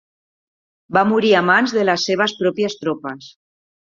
Va morir a mans de les seves pròpies tropes.